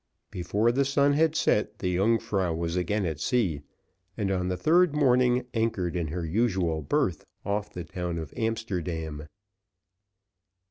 Before the sun had set, the Yungfrau was again at sea, and, on the third morning, anchored in her usual berth off the town of Amsterdam.